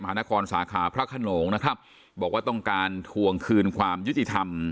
หานครสาขาพระขนงนะครับบอกว่าต้องการทวงคืนความยุติธรรม